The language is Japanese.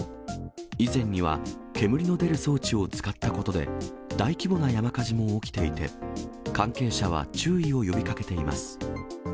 以前には、煙の出る装置を使ったことで、大規模な山火事も起きていて、関係者は注意を呼びかけています。